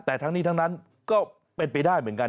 แต่ทั้งนี้ทั้งนั้นก็เป็นไปได้เหมือนกัน